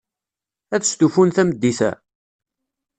Ad stufun tameddit-a?